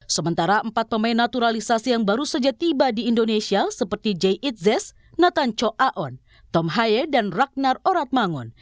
sementara empat pemain naturalisasi yang baru saja tiba di indonesia seperti jay itzes nathan cho aon tomhaye dan ragnar oratmangun